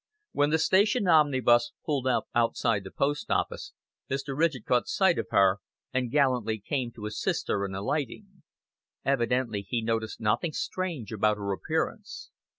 When the station omnibus pulled up outside the post office, Mr. Ridgett caught sight of her, and gallantly came to assist her in alighting. Evidently he noticed nothing strange about her appearance.